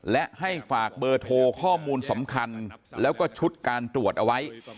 และให้ฝากเบอร์โทรข้อมูลสำคัญแล้วก็ชุดการตรวจเอาไว้